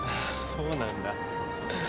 そうなんだ。